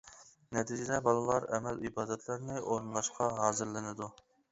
نەتىجىدە بالىلار ئەمەل ئىبادەتلەرنى ئورۇنلاشقا ھازىرلىنىدۇ.